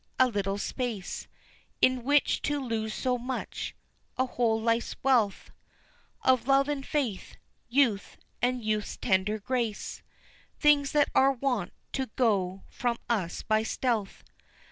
a little space In which to lose so much a whole life's wealth Of love and faith, youth, and youth's tender grace Things that are wont to go from us by stealth.